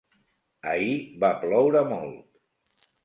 Ahir va ploure molt.